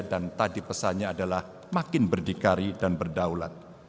dan tadi pesannya adalah makin berdikari dan berdaulat